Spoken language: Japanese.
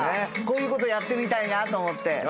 こういうことやってみたいなと思って。